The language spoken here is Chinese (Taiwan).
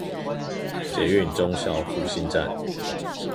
捷運忠孝復興站